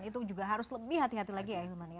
itu juga harus lebih hati hati lagi ya